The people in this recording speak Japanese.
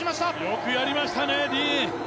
よくやりましたね、ディーン！